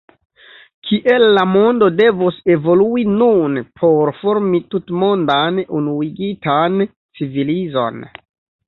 Kiel la mondo devos evolui nun por formi tutmondan, unuigitan civilizon?